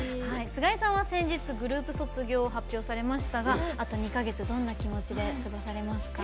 菅井さんは先日グループ卒業を発表されましたがあと２か月どんな気持ちで過ごされますか？